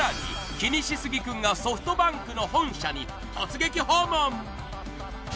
キニシスギくんがソフトバンクの本社に突撃訪問